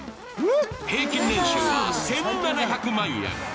平均年収は１７００万円。